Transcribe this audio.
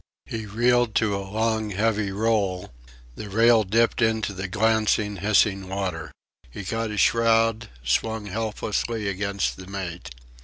He reeled to a long heavy roll; the rail dipped into the glancing, hissing water. He caught a shroud, swung helplessly against the mate...